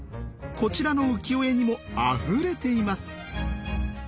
こちらの浮世絵にもあふれています。